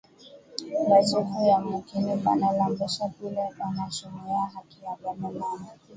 Ba chefu ya mukini bana lombesha ule ana shimamiya haki ya ba mama